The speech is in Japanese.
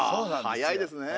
早いですね。